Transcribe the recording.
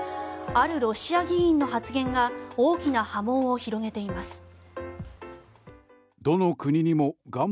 あるロシア議員の発言が大きな波紋を広げています。